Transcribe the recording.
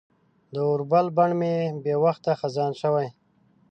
د اوربل بڼ مې بې وخته خزان شوی